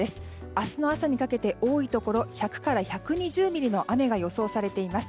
明日の朝にかけて、多いところで１００から１２０ミリの雨が予想されています。